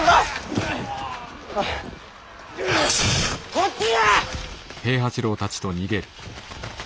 こっちへ！